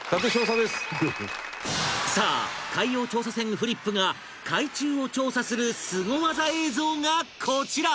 さあ海洋調査船フリップが海中を調査するスゴ技映像がこちら